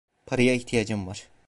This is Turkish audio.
Paraya ihtiyacım var.